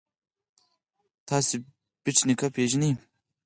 تاسو بېټ نیکه پيژنئ.